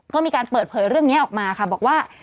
ก็มีการเปิดเผยเรื่องนี้ออกมาค่ะบอกว่า